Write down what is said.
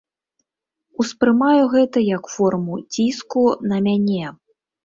Успрымаю гэта як форму ціску на мяне.